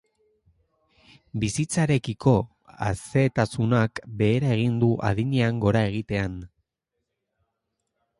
Bizitzarekiko asetasunak behera egiten du adinean gora egitean.